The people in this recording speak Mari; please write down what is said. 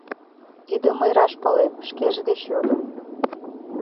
Тидым мый раш палем, шкеж деч йодым.